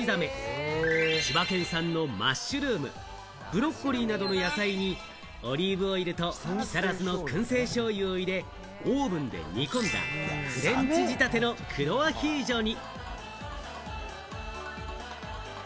こちらの店では船橋で取れたホシザメ、千葉県産のマッシュルーム、ブロッコリーなどの野菜にオリーブオイルと木更津のくん製しょうゆを入れて、オーブンで煮込んだフレンチ仕立ての黒アヒージョに。